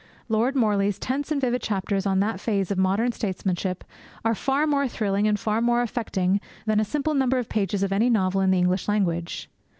Lord Morley's tense and vivid chapters on that phase of modern statesmanship are far more thrilling and far more affecting than a similar number of pages of any novel in the English language.